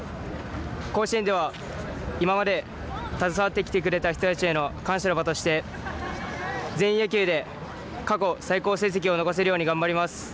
甲子園では、今まで携わってきてくれた人たちへの感謝の場として全員野球で過去最高成績を残せるように頑張ります。